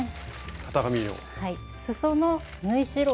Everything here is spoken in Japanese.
型紙を。